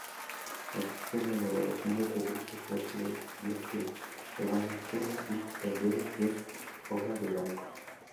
Existe la elaboración de productos lácteos, ebanistería y talleres de obra de banco.